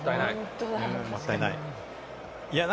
もったいない。